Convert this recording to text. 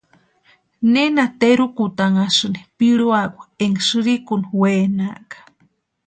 ¿Nena terukutanhasïni piruakwa enka sïrïkuni wenaka?